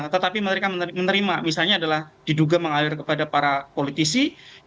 tetapi mereka menerima misalnya adalah diduga mengalir kepada para politisi